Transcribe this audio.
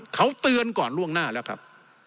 เขาเตือนก่อนล่วงหน้าแล้วครับ